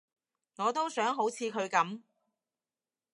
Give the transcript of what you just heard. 我都想好似佢噉